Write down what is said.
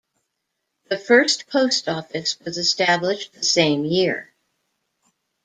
The first post office was established the same year.